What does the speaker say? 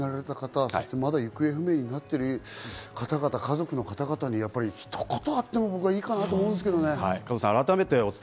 亡くなられた方、まだ行方不明になっている方々、家族の方々に、ひと言あってもいいんじゃないかと思うんですけどね。